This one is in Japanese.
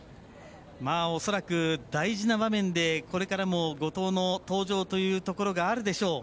恐らく、大事な場面でこれからも後藤の登場というところがあるでしょう。